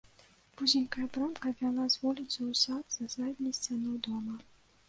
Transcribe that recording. Вузенькая брамка вяла з вуліцы ў сад за задняй сцяной дома.